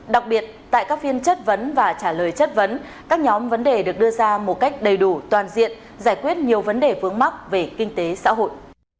đặc biệt tại các phiên chất vấn và trả lời chất vấn các nhóm vấn đề được đưa ra một cách đầy đủ toàn diện giải quyết nhiều vấn đề vướng mắc về kinh tế xã hội